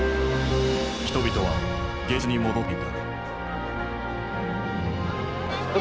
人々は現実に戻っていた。